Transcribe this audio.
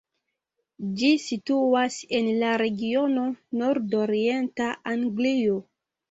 Ĝi situas en la regiono nordorienta Anglio.